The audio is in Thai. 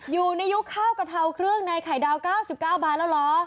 ยุคข้าวกะเพราเครื่องในไข่ดาว๙๙บาทแล้วเหรอ